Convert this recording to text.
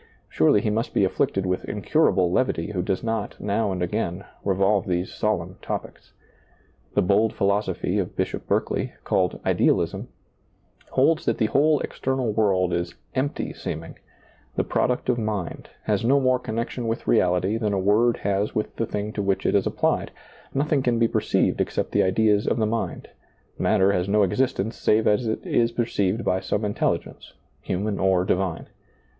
Surely he must be afflicted with incurable levity who does not, now and again, revolve these solemn topics. The bold philosophy of Bishop Berkeley, called Idealism, holds that the whole external world is " empty seeming," the product of mind, has no more connection with reality than a word has with the thing to which it is applied, nothing can be perceived except the ideas of the mind ; matter has no existence save as it is perceived by some intelligence, human or divine.